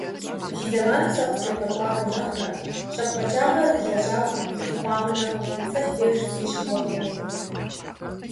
Фи зэманыр сэ къыстевгъэкӏуэда нэхърэ, щӏэпхъэджагъэр зылэжьам фылъыхъуамэ нэхъыфӏт. Сэ си деж зыри щывгъуэтынукъым.